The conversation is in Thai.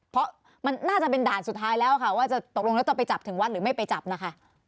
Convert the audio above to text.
เพราะมันน่าจะเป็นด่านสุดท้ายแล้วค่ะว่าจะตกลงแล้วจะไปจับถึงวัดหรือไม่ไปจับนะคะ